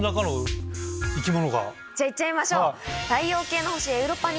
じゃあいっちゃいましょう！